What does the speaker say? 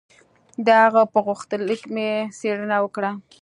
د هغه په غوښتنلیک مې څېړنه وکړه.